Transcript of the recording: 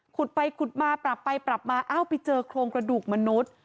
ขุดไปขุดมาปรับไปปรับมาอ้าวไปเจอโครงกระดูกมนุษย์